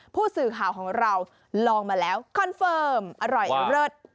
ผู้สื่อข่าวของเราลองมาแล้วคอนเฟิร์มอร่อยเลิศ